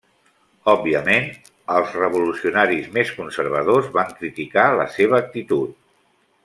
Òbviament, els revolucionaris més conservadors van criticar la seva actitud.